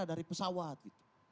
dari pesawat gitu